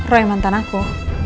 roy mantan aku